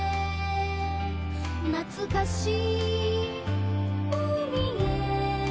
「なつかしい海へ」